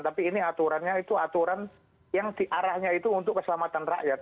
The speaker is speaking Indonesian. tapi ini aturannya itu aturan yang diarahnya itu untuk keselamatan rakyat